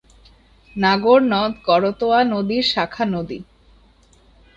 নাগর নদ করতোয়া নদীর শাখা নদী।